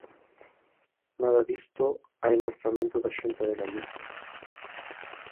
Nada disto hai no orzamento da Xunta de Galicia.